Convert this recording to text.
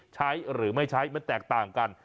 ใช้หรือไม่ใช้มันแตกต่างกัน